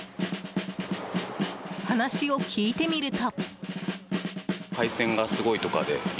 話を聞いてみると。